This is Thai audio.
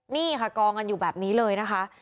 นี่ค่ะกองกันอยู่แบบนี้เลยนะคะ